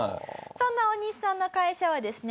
そんなオオニシさんの会社はですね